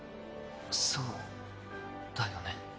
そうだよね。